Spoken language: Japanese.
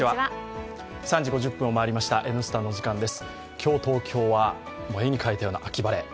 今日、東京は絵に描いたような秋晴れ。